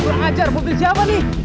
gua ngajar mobil siapa nih